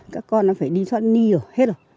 các con nó phải đi xóa ni rồi hết rồi